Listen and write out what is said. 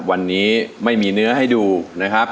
วันนี้ไม่มีเนื้อให้ดูนะครับ